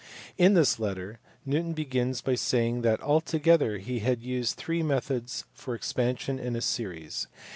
In this letter, Newton begins by saying that altogether he had used three methods for expansion in series.